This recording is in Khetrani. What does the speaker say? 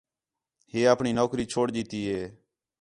ہے اَپݨی نوکری چھوڑ ݙِیتی ہے